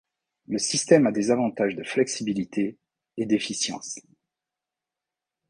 Le système a des avantages de flexibilité et d’efficience.